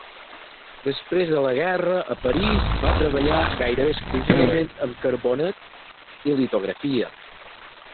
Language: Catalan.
Després de la guerra, a París, va treballar gairebé exclusivament amb carbonet i litografia.